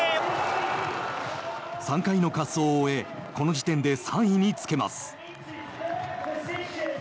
１６２０！３回の滑走を終えこの時点で３位につけます。